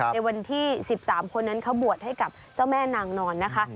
ในวันที่๑๓คนนั้นเขาบวชให้กับเจ้าแม่นางนอนนะคะ